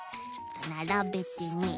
ならべてね。